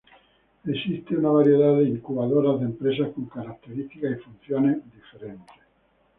Existen una variedad de incubadoras de empresas con características y funciones diferentes.